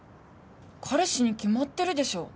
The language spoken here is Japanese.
彼氏に決まってるでしょ。